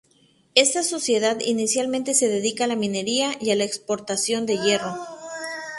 Esta sociedad inicialmente se dedica a la minería y a la exportación de hierro.